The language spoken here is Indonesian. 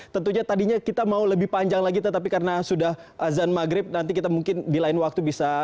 tentunya tadinya kita mau lebih panjang lagi tetapi karena sudah azan maghrib nanti kita mungkin di lain waktu bisa